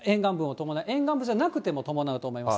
沿岸部じゃなくても伴うと思います。